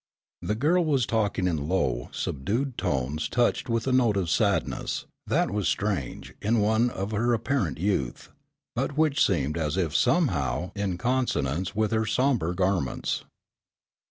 The girl was talking in low, subdued tones touched with a note of sadness that was strange in one of her apparent youth, but which seemed as if somehow in consonance with her sombre garments.